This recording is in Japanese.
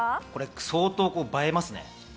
相当、映えですね。